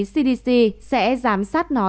cdc sẽ giám sát nó